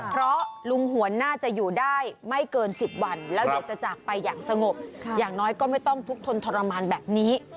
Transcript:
เพราะลุงหวนน่าจะอยู่ได้ไม่เกิน๑๐วันแล้วเดี๋ยวจะจากไปอย่างสงบอย่างน้อยก็ไม่ต้องทุกข์ทนทรมานแบบนี้